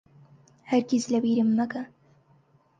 هەرگیز لەبیرم مەکە.